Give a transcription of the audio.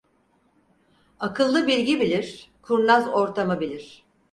Akıllı bilgi bilir; kurnaz ortamı bilir.